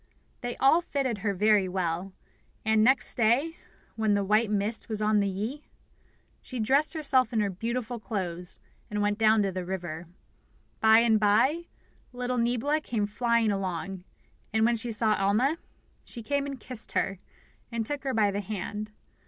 They all fitted her very well; and next day, when the white mist was on the Yi, she dressed herself in her beautiful clothes, and went down to the river. By and by little Niebla came flying along; and when she saw Alma, she came and kissed her, and took her by the hand.